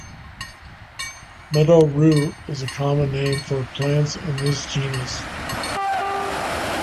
Meadow-rue is a common name for plants in this genus.